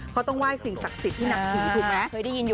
เขาต้องไหว้สิ่งศักดิ์สิทธิ์ที่หนักถือถึงนะ